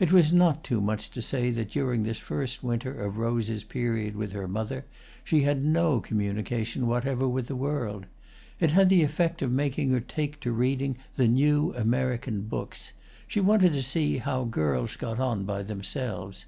It was not too much to say that during this first winter of Rose's period with her mother she had no communication whatever with the world. It had the effect of making her take to reading the new American books: she wanted to see how girls got on by themselves.